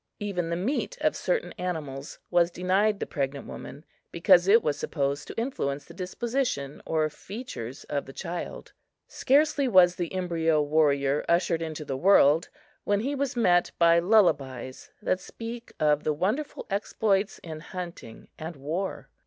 Even the meat of certain animals was denied the pregnant woman, because it was supposed to influence the disposition or features of the child. Scarcely was the embyro warrior ushered into the world, when he was met by lullabies that speak of wonderful exploits in hunting and war.